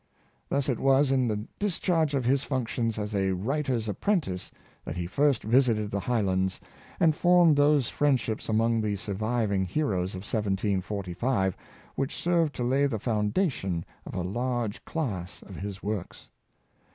Thus it was in the discharge of his functions as a writer's apprentice that he first visited the High lands, and formed those friendships among the surviv ing heroes of 1 745 which served to lay the foundation of a large class of his works.